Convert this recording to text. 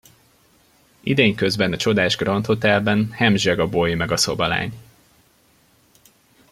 Idény közben a csodás Grand Hotelben hemzseg a boy meg a szobalány.